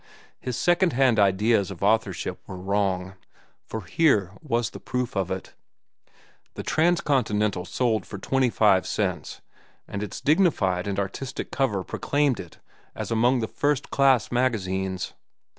His second hand ideas of authorship were wrong, for here was the proof of it. The Transcontinental sold for twenty five cents, and its dignified and artistic cover proclaimed it as among the first class magazines.